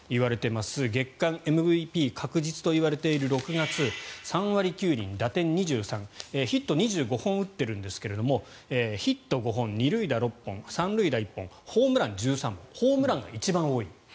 月間ＭＶＰ確実といわれている６月３割９厘、打点２３ヒット２５本打っているんですがヒット５本、２塁打６本３塁打１本、ホームラン１３本ホームランが一番多い。